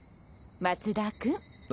松田君。